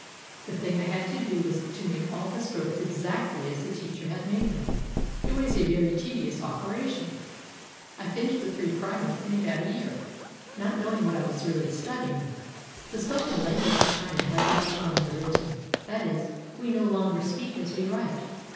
The thing I had to do was to make all the strokes exactly as the teacher had made them. It was a very tedious operation. 217 CHINA I finished the three primers in about a year, not knowing what I really was studying. The spoken lan guage of China has outgrown the written; that is, we no longer speak as we write.